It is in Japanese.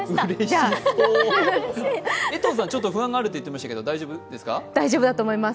江藤さん、ちょっと不安があると言っていましたが、大丈夫ですか。